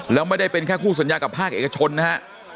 แล้วไม่ได้เป็นแค่คู่สัญญากับภาคเอกชนนะฮะ